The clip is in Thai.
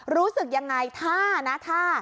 รู้สึกยังไงถ้านะถ้า